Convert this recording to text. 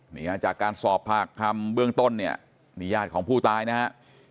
นี่ฮะจากการสอบปากคำเบื้องต้นเนี่ยนี่ญาติของผู้ตายนะฮะ